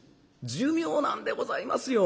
寿命なんでございますよ。